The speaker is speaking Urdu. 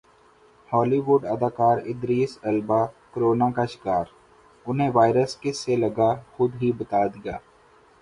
ہالی ووڈ اداکارادریس البا کورونا کا شکارانہیں وائرس کس سے لگاخودہی بتادیا